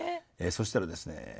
そしたらですね